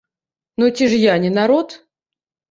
Ну ці ж я не народ?